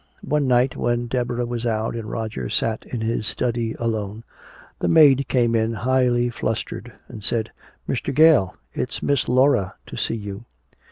One night when Deborah was out and Roger sat in his study alone, the maid came in highly flustered and said, "Mr. Gale! It's Miss Laura to see you!"